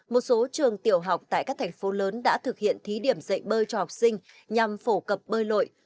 một số trường tiểu học tại các thành phố lớn đã thực hiện thí điểm dạy bơi cho học sinh nhằm phổ cập bơi lội